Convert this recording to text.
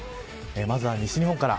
まずは西日本から。